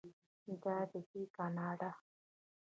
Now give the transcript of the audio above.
دا دی کاناډا.